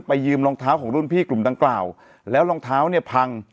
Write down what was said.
ยืมรองเท้าของรุ่นพี่กลุ่มดังกล่าวแล้วรองเท้าเนี่ยพัง